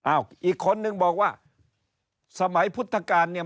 อีกคนนึงบอกว่าสมัยพุทธกาลเนี่ย